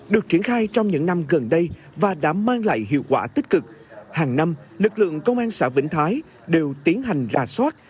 được triển khai trong những năm gần đây và đã mang lại hiệu quả tích cực hàng năm lực lượng công an xã vĩnh thái đều tiến hành rà soát